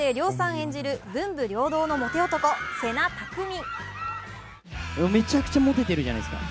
演じる文武両道のモテ男・瀬名拓美。